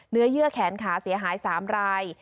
เยื่อแขนขาเสียหาย๓ราย